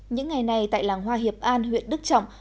những ngày này tại làng hoa hiệp an huyện đức trọng